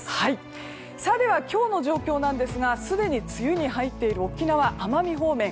では、今日の状況ですがすでに梅雨に入っている沖縄、奄美方面。